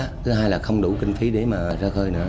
thứ hai là không đủ kinh phí để mà ra khơi nữa